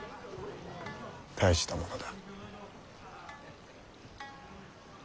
大したものだ。